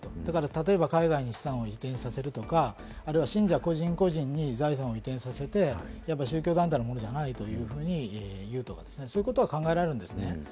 例えば海外に資産を移転させるとか、信者、個人個人に財産を移転させて、やっぱ宗教団体のものじゃないというふうに言うとか、そういうことは考えられるんですね。